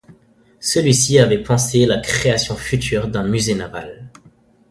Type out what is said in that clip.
Celui-ci avait pensé la création future d'un musée naval.